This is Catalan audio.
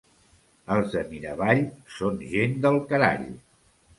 Els de Miravall són gent del carall.